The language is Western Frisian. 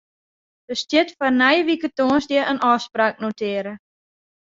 Der stiet foar nije wike tongersdei in ôfspraak notearre.